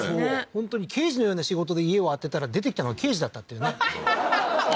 本当に刑事のような仕事で家を当てたら出てきたのが刑事だったっていうねははははっ